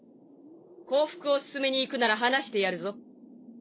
降伏を勧めに行くなら放してやるぞ。